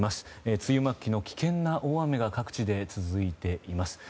梅雨末期の危険な大雨が各地で続いています。